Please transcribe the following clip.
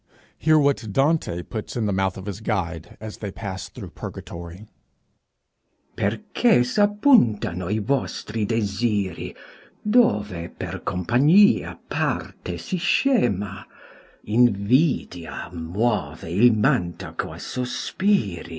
Hear what Dante puts in the mouth of his guide, as they pass through Purgatory: Perche s'appuntano i vostri desiri Dove per compagnia parte si scema, Invidia muove il mantaco a' sospiri.